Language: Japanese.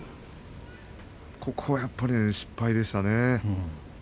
ここはやっぱり失敗でしたね。